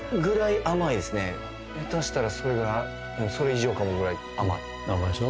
下手したらそれがそれ以上かもぐらい甘い甘いでしょ？